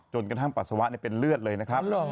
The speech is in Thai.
กระทั่งปัสสาวะเป็นเลือดเลยนะครับ